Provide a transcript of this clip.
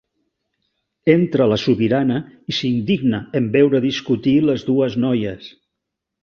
Entra la sobirana i s'indigna en veure discutir les dues noies.